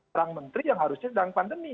perang menteri yang harusnya sedang pandemi